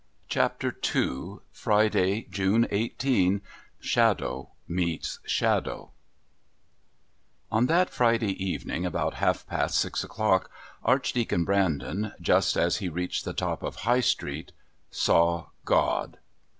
Chapter II Friday, June 18: Shadow Meets Shadow On that Friday evening, about half past six o'clock, Archdeacon Brandon, just as he reached the top of the High Street, saw God.